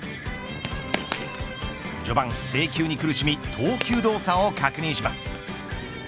序盤、制球に苦しみ投球動作を確認します。